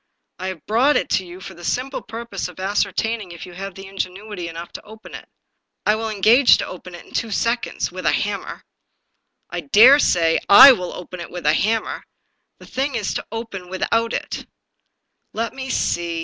I have brought it to you for the simple purpose of ascertaining if you have ingenuity enough to open it." 244 The Puzzle " I will engage to open it in two seconds — ^with a hammer." " I dare say. / will open it with a hammer. The thing is to open it without." " Let me see."